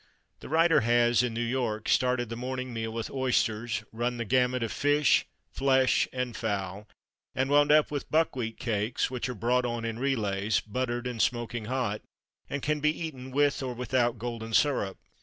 The writer has, in New York, started the morning meal with oysters, run the gamut of fish, flesh, and fowl, and wound up with buckwheat cakes, which are brought on in relays, buttered and smoking hot, and can be eaten with or without golden syrup.